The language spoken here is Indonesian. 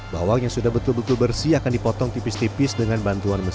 bawang yang sudah betul betul bersih akan dipotong tipis tipis dengan bantuan mesin